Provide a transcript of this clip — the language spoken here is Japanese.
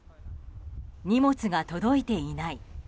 荷物が届いていない。